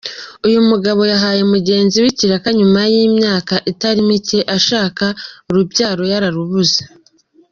Uyu mugabo yahaye mugenzi we ikiraka nyuma y’imyaka itari mike ashaka urubyaro yararubuze.